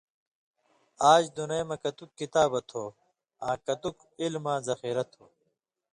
آج دُنئ مہ کتُک کتابہ تھو آں کتک علماں ذخیرہ تُھو